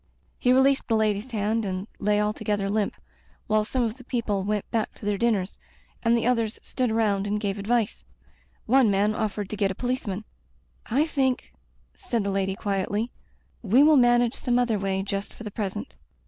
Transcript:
He released the Lady's hand and lay alto gether limp, while some of the people went back to their dinners, and the others stood around and gave advice. One man offered to get a policeman. " I think," said the lady quietly, " we will manage some other way just for the present.